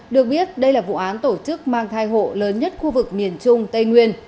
được biết đây là vụ án tổ chức mang thai hộ lớn nhất khu vực miền trung tây nguyên